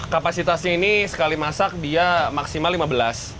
kapasitasnya ini sekali masak dia maksimal lima belas